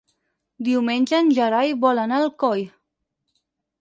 Diumenge en Gerai vol anar a Alcoi.